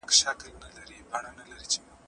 انا خپل لاسونه د شکر لپاره پورته کړل.